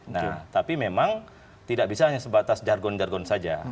nah tapi memang tidak bisa hanya sebatas jargon jargon saja